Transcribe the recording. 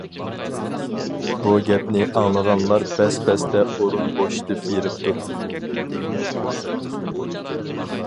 بۇ گەپنى ئاڭلىغانلار بەس-بەستە ئورۇن بوشىتىپ بېرىپتۇ.